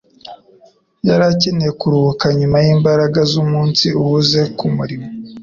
Yari akeneye kuruhuka nyuma yimbaraga zumunsi uhuze kumurimo